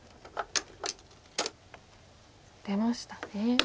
出ましたね。